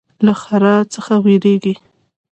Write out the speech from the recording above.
له ښرا څخه ویریږي.